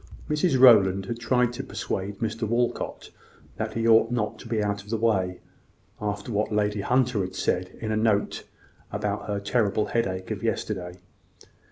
Mrs Rowland had tried to persuade Mr Walcot that he ought not to be out of the way, after what Lady Hunter had said in a note about her terrible headache of yesterday.